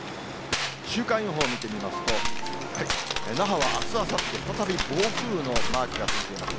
週間予報見てみますと、那覇はあす、あさって、再び暴風のマークがついています。